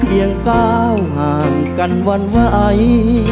ยังก้าวห่างกันวันไหว